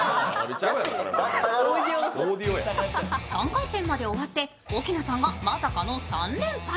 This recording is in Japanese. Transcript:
３回戦まで終わって奧菜さんがまさかの３連敗。